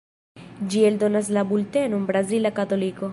Ĝi eldonas la bultenon "Brazila Katoliko".